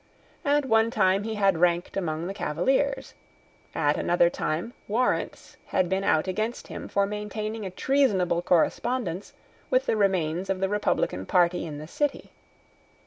At one time he had ranked among the Cavaliers. At another time warrants had been out against him for maintaining a treasonable correspondence with the remains of the Republican party in the city.